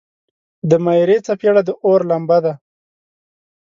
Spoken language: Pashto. د میرې څپیړه د اور لمبه ده.